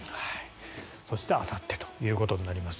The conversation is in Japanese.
そしてあさってということになります。